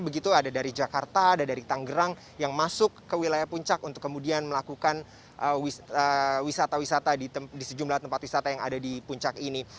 begitu ada dari jakarta ada dari tanggerang yang masuk ke wilayah puncak untuk kemudian melakukan wisata wisata di sejumlah tempat wisata yang ada di puncak ini